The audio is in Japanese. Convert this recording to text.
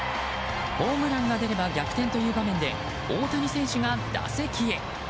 ホームランが出れば逆転という場面で大谷選手が打席へ。